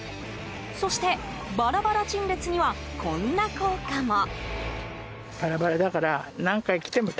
そしてバラバラ陳列にはこんな効果も。